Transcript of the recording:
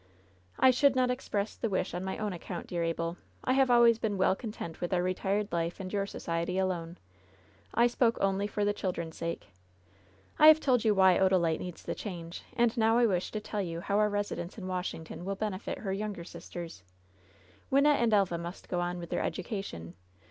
"I should not express the wish on my own accoimt, dear Abel. I have always been well content with our retired life and your society alone. I spoke only for the children's sake. I have told you why Odalite needs the change, and now I wish to tell you how our residence in Washington will benefit her younger sisters. Wyn nette and Elva must go on with their education.